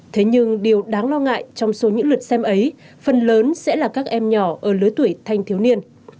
thế nhưng điều đáng lo ngại trong số những lượt xem ấy phần lớn sẽ là các em nhỏ ở lứa tuổi thanh thiếu niên